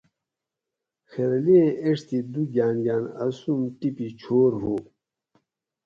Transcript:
خیرلیں ایڄ تی دو گان گان اسون ٹیپی چھورو